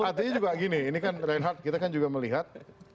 artinya juga gini ini kan reinhardt kita kan juga melihat